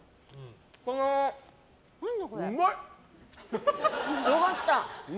うまい！よかった！